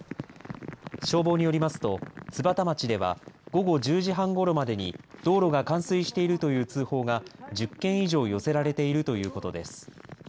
消防によりますと津幡町では午後１０時半ごろまでに道路が冠水しているという通報が１０件以上寄せられているということです。